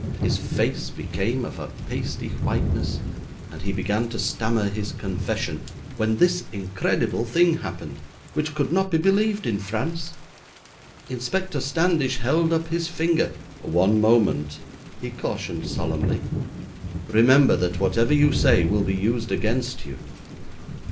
His face became of a pasty whiteness, and he began to stammer his confession, when this incredible thing happened, which could not be believed in France. Inspector Standish held up his finger. 'One moment,' he cautioned solemnly, 'remember that whatever you say will be used against you!'